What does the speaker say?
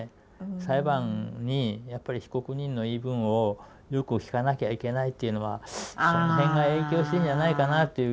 裁判にやっぱり被告人の言い分をよく聞かなきゃいけないっていうのはその辺が影響してるんじゃないかなっていう気がするの。